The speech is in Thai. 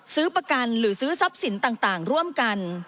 ซื้อประกันหรือซื้อทรัพย์สินต่างร่วมกัน